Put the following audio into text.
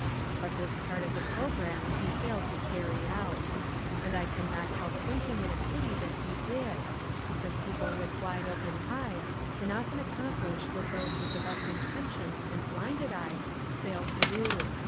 But this part of the programme he failed to carry out. And I can not help thinking it a pity that he did, be cause people with wide open eyes can often accomplish what those with the best inten tions and blinded eyes fail to do.